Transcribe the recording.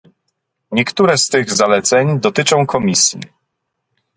Niektóre z tych zaleceń dotyczą Komisji